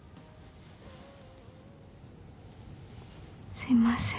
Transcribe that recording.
すいません。